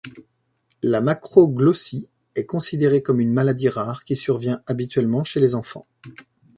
La macroglossie est considérée comme une maladie rare qui survient habituellement chez les enfants.